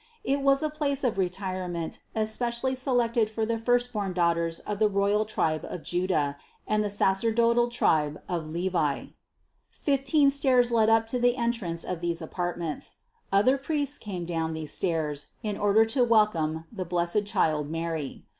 It was a place of retire ment especially selected for the first born daughters of the royal tribe of Juda and the sacerdotal tribe of Levi. 423. Fifteen stairs led up to the entrance of these apartments. Other priests came down these stairs in order to welcome the blessed child Mary.